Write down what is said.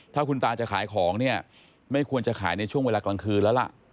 ถ้าคุณตาจะขายของเนี่ยไม่ควรจะขายในช่วงเวลากลางคืนแล้วล่ะ